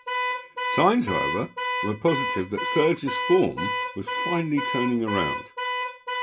Signs, however, were positive that Surge's form was finally turning around.